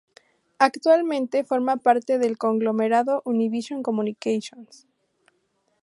Actualmente forma parte del conglomerado Univision Communications.